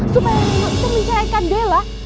supaya reno bisa mencari kandela